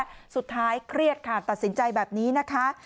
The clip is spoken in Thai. สุดท้ายเครียดค่ะตัดสินใจแบบนี้นะคะ